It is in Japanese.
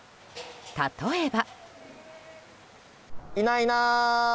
例えば。